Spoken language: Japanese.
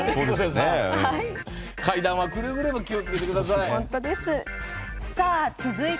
階段はくれぐれも気をつけてください。